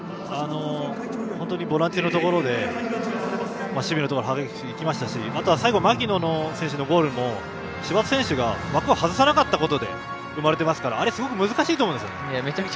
本当にボランチのところで守備のところ激しく行きましたしあとは最後、槙野選手のゴールも柴戸選手が枠を外さなかったことで生まれていますからあれ、すごく難しいと思います。